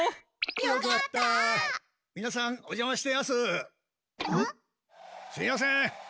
すいやせん。